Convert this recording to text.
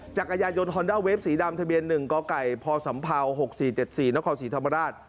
จักรยายนฮอนด้าเวฟสีดำทะเบียน๑กไก่พศ๖๔๗๔นครศรีธรรมราช